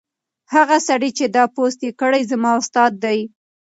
هغه سړی چې دا پوسټ یې کړی زما استاد دی.